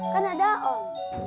kan ada om